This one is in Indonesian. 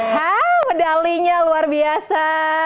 haa medalinya luar biasa